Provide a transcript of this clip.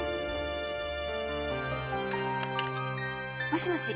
もしもし。